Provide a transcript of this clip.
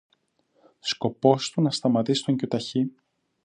Σκοπός του να σταματήσει τον Κιουταχή